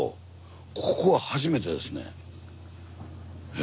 え？